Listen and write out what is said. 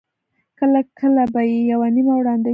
کله کله به یې یوه نیمه وړاندوینه کوله.